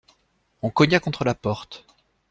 On cogna contre la porte.